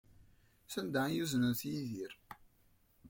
Sanda ay uznent Yidir?